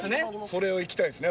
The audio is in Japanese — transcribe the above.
これをいきたいですね